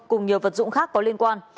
cùng nhiều vật dụng khác có liên quan